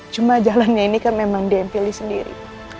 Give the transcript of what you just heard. cuma jalannya ini kan memang dia yang pilih sendiri